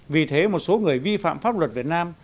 vì thế một số người vi phạm pháp luật việt nam